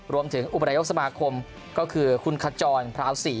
รวมถึงอุบันไดยกสมาคมก็คือคุณขจรพราวศรี